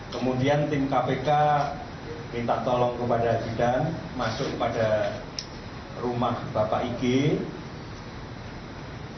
kemudian tim kpk minta tolong kepada sidang masuk kepada rumah bapak ig